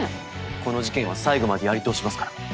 この事件は最後までやり通しますから。